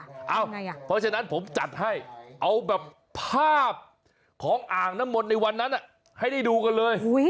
เพราะฉะนั้นผมจัดให้เอาแบบภาพของอ่างน้ำมนต์ในวันนั้นให้ได้ดูกันเลย